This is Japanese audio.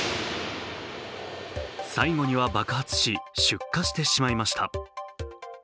最後には爆発し、出火してしまいました。